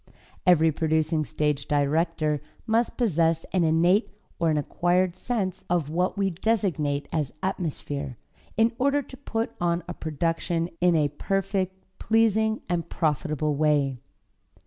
Every producing stage director must possess an innate or an acquired sense of what we designate as atmosphere, in order to put on a production in a perfect, pleasing and profitable way.